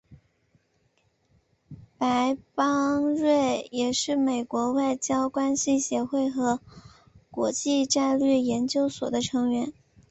白邦瑞也是美国外交关系协会和国际战略研究所的成员。